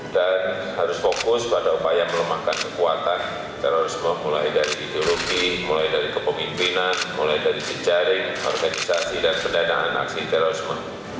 dan harus fokus pada upaya melemahkan kekuatan terorisme mulai dari ideologi mulai dari kepemimpinan mulai dari sejaring organisasi dan pendanaan aksi terorisme